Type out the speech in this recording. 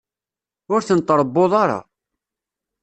Ur ten-tṛewwuḍ ara.